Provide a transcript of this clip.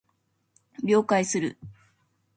了解する